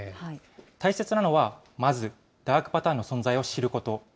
大切なのはまず、ダークパターンの存在を知ること。